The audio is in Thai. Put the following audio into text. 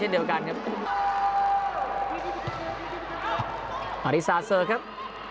อดีสาสเสิร์ค์ครับ